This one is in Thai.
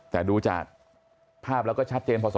แต่ดูจากภาพแล้วก็ชัดเจนพอสม